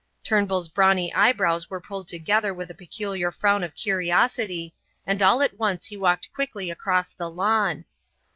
Turnbull's tawny eyebrows were pulled together with a peculiar frown of curiosity, and all at once he walked quickly across the lawn.